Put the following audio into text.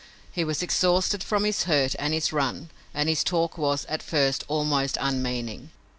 He was exhausted from his hurt and his run and his talk was, at first, almost unmeaning.